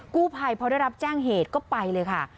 กู้ภัยพอได้รับแจ้งเหตุก็ไปเลยค่ะ